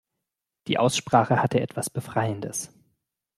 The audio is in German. Die Aussprache hatte etwas Befreiendes.